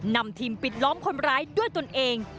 นำทีมปิดล้อมคนร้ายด้วยตนเอง